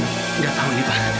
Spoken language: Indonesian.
tidak tahu ini pak